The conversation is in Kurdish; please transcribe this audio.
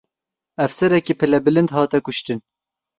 Efserekî pilebilind hate kuştin.